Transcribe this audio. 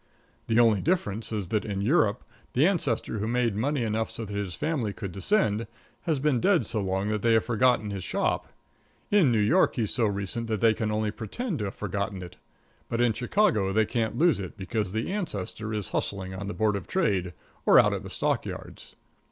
The only difference is that, in Europe, the ancestor who made money enough so that his family could descend, has been dead so long that they have forgotten his shop; in New York he's so recent that they can only pretend to have forgotten it; but in Chicago they can't lose it because the ancestor is hustling on the Board of Trade or out at the Stock Yards.